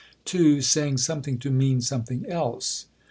(2) Saying something to mean something else.